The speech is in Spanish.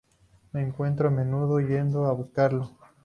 Me encuentro, a menudo, yendo a buscarlo.